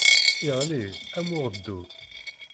Iɣli, am uɣeddu.